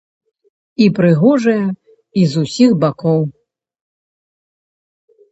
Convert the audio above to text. І прыгожая, і з усіх бакоў.